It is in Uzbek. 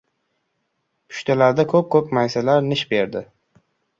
Pushtalarda ko‘k-ko‘k maysalar nish berdi.